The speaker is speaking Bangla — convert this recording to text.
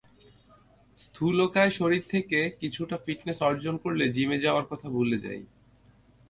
স্থূলকায় শরীর থেকে কিছুটা ফিটনেস অর্জন করলে জিমে যাওয়ার কথা ভুলে যাই।